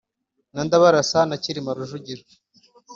na Ndabarasa ba Cyilima Rujugira,